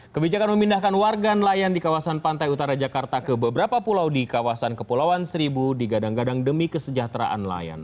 kebijakan memindahkan warga nelayan di kawasan pantai utara jakarta ke beberapa pulau di kawasan kepulauan seribu digadang gadang demi kesejahteraan nelayan